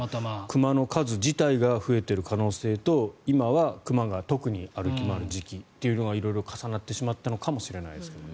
熊の数自体が増えている可能性と今は熊が特に歩き回る時期というのが色々重なってしまったのかもしれないですけどね。